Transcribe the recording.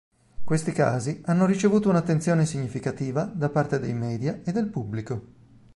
Questi casi hanno ricevuto un’attenzione significativa da parte dei media e del pubblico.